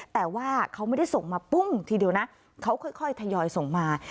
แต่ว่าเขาไม่ได้ส่งมาปุ้งทีเดียวนะเขาค่อยทยอยส่งมา